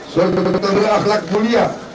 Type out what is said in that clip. seorang ketua ketua berakhlak mulia